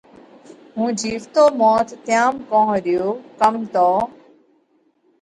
ھُون جيوتو موت تيام ڪونھ ريو ڪم تو